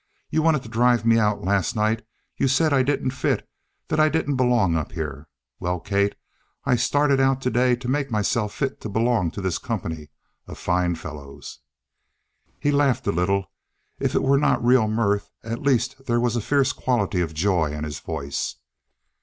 "You wanted to drive me out last night. You said I didn't fit that I didn't belong up here. Well, Kate, I started out today to make myself fit to belong to this company of fine fellows." He laughed a little; if it were not real mirth, at least there was a fierce quality of joy in his voice.